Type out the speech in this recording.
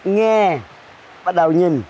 nghe bắt đầu nhìn